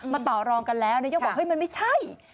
ต่อรองกันแล้วนายกบอกเฮ้ยมันไม่ใช่